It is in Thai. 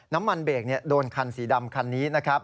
น้ำมันเบรกโดนคันสีดำคันนี้นะครับ